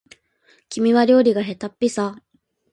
君は料理がへたっぴさ